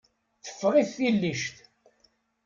Teffeɣ-it tillict.